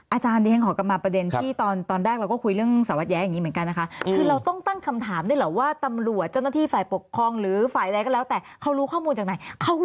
อาจารย์ดิฉันขอกลับมาประเด็นที่ตอนแรกเราก็คุยเรื่องสารวัตรแย้อย่างนี้เหมือนกันนะคะ